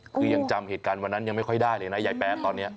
คือยังจำเหตุการณ์วันนั้นยังไม่ค่อยได้เลยนะยายแป๊ดตอนนี้